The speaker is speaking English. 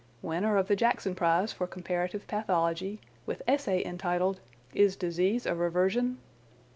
Winner of the Jackson prize for Comparative Pathology, with essay entitled 'Is Disease a Reversion?